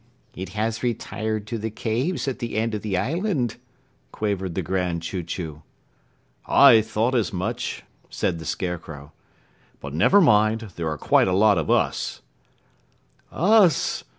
"It has retired to the caves at the end of the Island," quavered the Grand Chew Chew. "I thought as much," said the Scarecrow. "But never mind, there are quite a lot of us." "Us!"